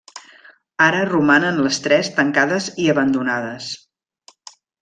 Ara romanen les tres tancades i abandonades.